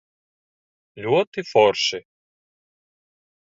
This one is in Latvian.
Ļoti forši.